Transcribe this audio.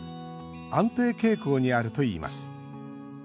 安定傾向にあるといいます。